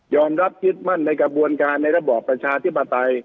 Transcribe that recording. รับยึดมั่นในกระบวนการในระบอบประชาธิปไตย